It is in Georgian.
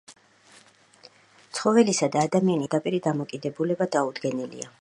ცხოველისა და ადამიანის დაავადებათა შორის პირდაპირი დამოკიდებულება დაუდგენელია.